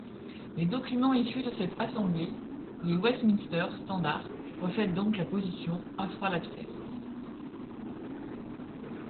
Les documents issus de cette assemblée, les Westminster Standards, reflètent donc la position infralapsaire.